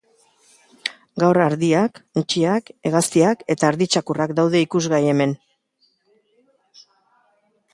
Gaur ardiak, untxiak, hegaztiak eta ardi-txakurrak daude ikusgai hemen.